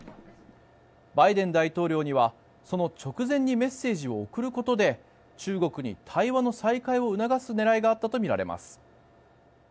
バイデン大統領には、その直前にメッセージを送ることで中国に対話の再開を促す狙いがあったとみられます。